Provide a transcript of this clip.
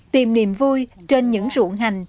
tìm niềm vui trên những ruộng hành